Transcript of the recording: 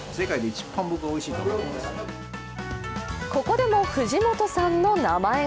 ここでも藤本さんの名前が。